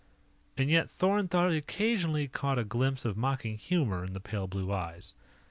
And yet Thorn thought he occasionally caught a glimpse of mocking humor in the pale blue eyes.